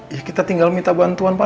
ya kita tinggal minta bantuan pak